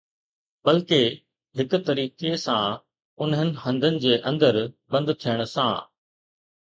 بلڪه، هڪ طريقي سان، انهن هنڌن جي اندر بند ٿيڻ سان